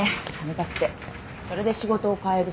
それで仕事を変える。